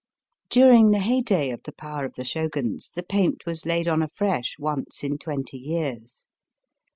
During the heyday of the power of the Shoguns the paint was laid on afresh once in twenty years.